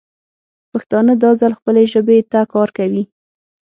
پښتانه دا ځل خپلې ژبې ته کار کوي.